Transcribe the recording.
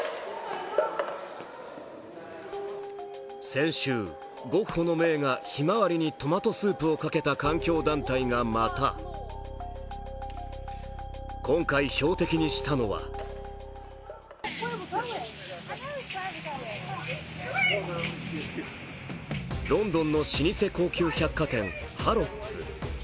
先週、ゴッホの名画「ひまわり」にトマトスープをかけた環境団体がまた今回標的にしたのはロンドンの老舗高級百貨店ハロッズ。